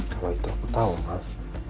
kalau itu aku tahu mak